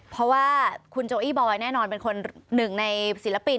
เพราะว่าคุณโจอี้บอยแน่นอนเป็นคนหนึ่งในศิลปิน